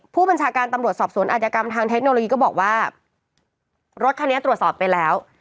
ผู้บัญชาการตำรวจสอบสวนอาจกรรมทางเทคโนโลยีก็บอกว่ารถคันนี้ตรวจสอบไปแล้ว